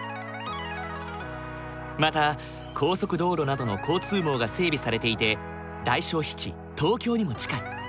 また高速道路などの交通網が整備されていて大消費地東京にも近い。